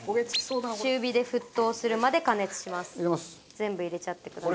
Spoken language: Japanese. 全部入れちゃってください。